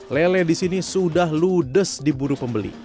lele disini sudah ludes di buru pembeli